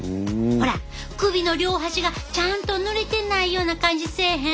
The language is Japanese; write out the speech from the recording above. ほら首の両端がちゃんと塗れてないような感じせえへん？